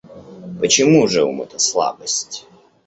Почему же ум это слабость?